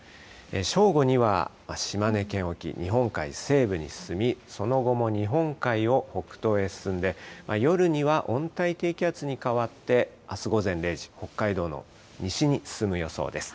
正午には島根県沖、日本海西部に進み、その後も日本海を北東へ進んで、夜には温帯低気圧に変わって、あす午前０時、北海道の西に進む予想です。